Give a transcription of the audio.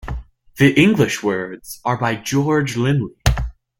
The English words are by George Linley.